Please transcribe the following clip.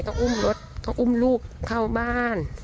ต้องอุ้มรถต้องอุ้มลูกเข้าบ้าน